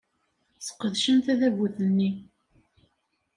Sqedcen tadabut-nni.